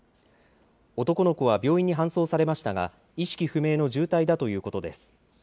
男の子は病院に搬送されましたが、意識不明の重体だということです。